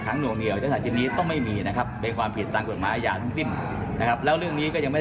ถ้ามีประหยัดฐานเพียงพอ